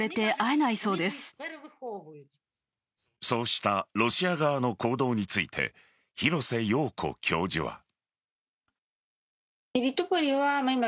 そうしたロシア側の行動について廣瀬陽子教授は。